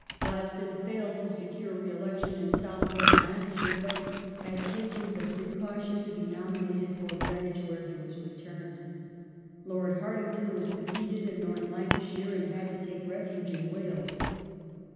^ Gladstone failed to secure re election in South West Lancashire, but had taken the precautionjto be nomin ated for Greenwich, where he was returned. Lord Hartington was defeated in North Lancashire and had to take refuge in Wales.